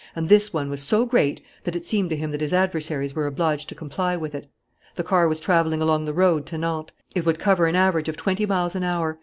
And this one was so great that it seemed to him that his adversaries were obliged to comply with it. The car was travelling along the road to Nantes. It would cover an average of twenty miles an hour.